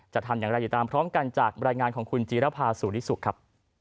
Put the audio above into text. จะทำอย่างไรติดตามพร้อมกันจากรายงานของคุณจีรภาสุริสุขครับ